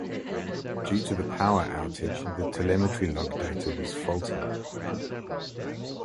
Due to the power outage, the telemetry log data was faulty.